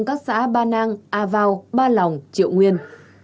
các xã ba nang a vao ba lòng triệu nguyên